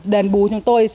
đền bù cho chúng tôi